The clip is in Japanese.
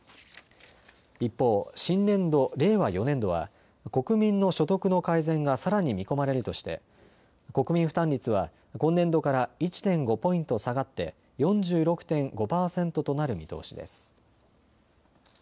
一方、新年度・令和４年度は国民の所得の改善がさらに見込まれるとして国民負担率は今年度から１．５ポイント下がって、４６．５％となる見通しです。